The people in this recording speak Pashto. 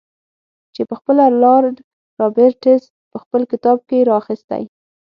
چې پخپله لارډ رابرټس په خپل کتاب کې را اخیستی.